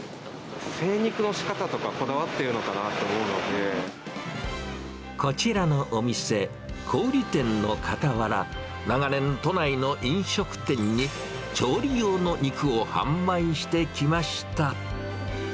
精肉のしかたとか、こだわっこちらのお店、小売り店のかたわら、長年、都内の飲食店に調理用の肉を販売してきました。